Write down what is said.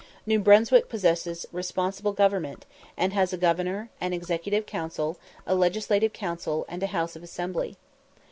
New Brunswick possesses "responsible government," and has a Governor, an Executive Council, a Legislative Council, and a House of Assembly.